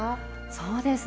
そうですね。